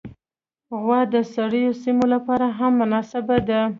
غوا د سړو سیمو لپاره هم مناسبه ده.